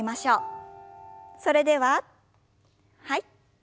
それでははい。